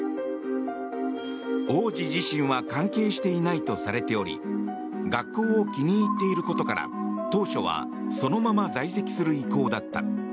王子自身は関係していないとされており学校を気に入っていることから当初はそのまま在籍する意向だった。